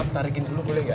maaf tarikin dulu boleh ga